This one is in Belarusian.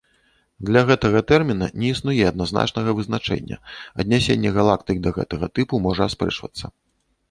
Для гэтага тэрміна не існуе адназначнага вызначэння, аднясенне галактык да гэтага тыпу можа аспрэчвацца.